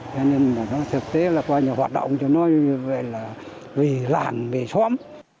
cho nên thực tế là coi như hoạt động cho nó như vậy là vì làng vì xóm